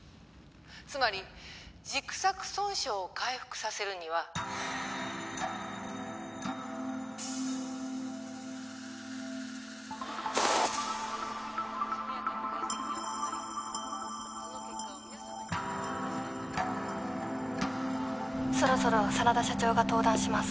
つまり軸索損傷を回復させるには☎そろそろ真田社長が登壇します